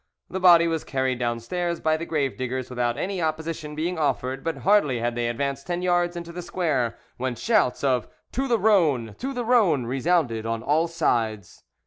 The body was carried downstairs by the grave diggers without any opposition being offered, but hardly had they advanced ten yards into the square when shouts of "To the Rhone! to the Rhone!" resounded on all sides.